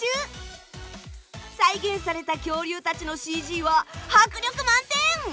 再現された恐竜たちのＣＧは迫力満点！